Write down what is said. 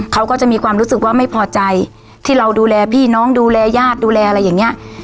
เขาก็จะมีความรู้สึกว่าไม่พอใจที่เราดูแลพี่น้องดูแลญาติดูแลอะไรอย่างเงี้ย